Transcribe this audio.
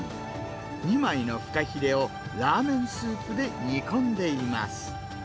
２枚のフカヒレをラーメンスープで煮込んでいます。